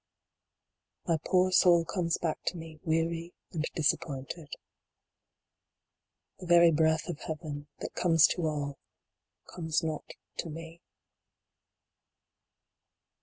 My poor soul comes back to me, weary and disap pointed. The very breath of heaven, that comes to all, comes not to me.